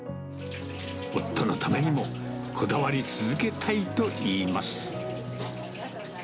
夫のためにも、こだわり続けたいといいます。